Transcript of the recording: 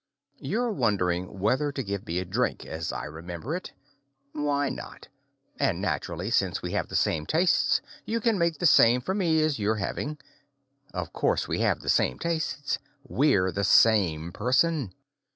You're wondering whether to give me a drink, as I remember it. Why not? And naturally, since we have the same tastes, you can make the same for me as you're having. Of course we have the same tastes we're the same person.